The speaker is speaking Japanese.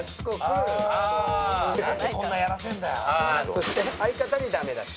そして相方にダメ出し。